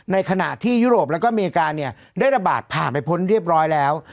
ในขณะที่ยุโรปแล้วก็อเมริกาเนี่ยได้ระบาดผ่านไปพ้นเรียบร้อยแล้ว